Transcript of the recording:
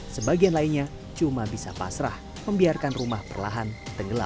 sebagian lainnya cuma bisa pasrah membiarkan rumah perlahan tenggelam